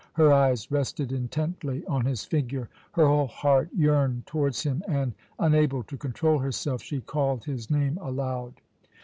Her eyes rested intently on his figure, her whole heart yearned towards him and, unable to control herself, she called his name aloud.